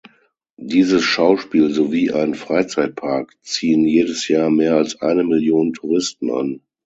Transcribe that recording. Dieses Schauspiel sowie ein Freizeitpark ziehen jedes Jahr mehr als eine Million Touristen an.